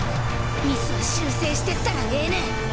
ミスは修正してったらええねん！